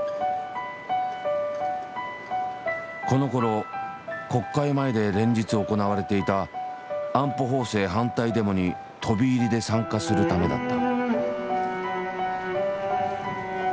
このころ国会前で連日行われていた安保法制反対デモに飛び入りで参加するためだった。